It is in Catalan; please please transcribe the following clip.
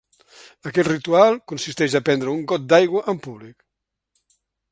Aquest ritual consisteix a prendre un got d’aigua en públic.